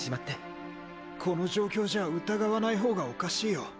この状況じゃ疑わないほうがおかしいよ。